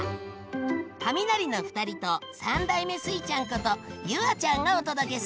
カミナリの２人と３代目スイちゃんこと夕空ちゃんがお届けする。